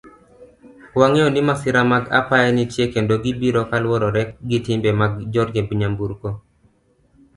Wangeyo ni masira mag apaya nitie kendo gibiro kaluwore gi timbe mag joriemb nyamburko.